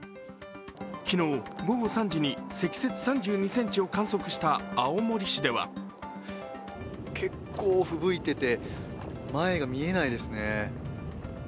昨日午後３時に積雪３２ｃｍを観測した青森市では結構ふぶいてて前が見えないですね。